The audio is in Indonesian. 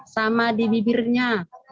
sama di bibirnya